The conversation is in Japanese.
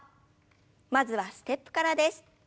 まずはステップからです。